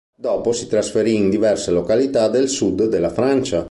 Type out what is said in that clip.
Dopo si trasferì in diverse località del sud della Francia.